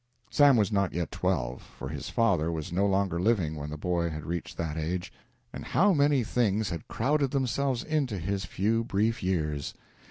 Sam was not yet twelve, for his father was no longer living when the boy had reached that age. And how many things had crowded themselves into his few brief years!